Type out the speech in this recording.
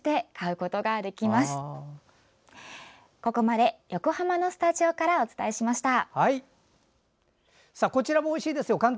ここまで、横浜のスタジオからお伝えしました。